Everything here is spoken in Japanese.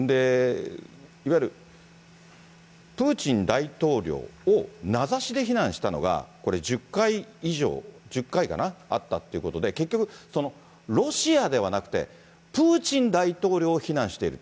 いわゆるプーチン大統領を名指しで非難したのが、これ１０回以上、１０回かな、あったってことで、結局、ロシアではなくて、プーチン大統領を非難していると。